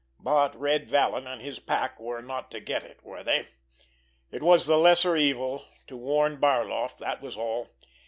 But Red Vallon and his pack were not to get it, were they? It was the lesser evil to warn Barloff, that was all.